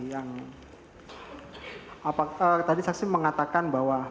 yang tadi saksi mengatakan bahwa